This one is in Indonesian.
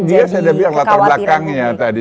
dia sudah bilang latar belakangnya tadi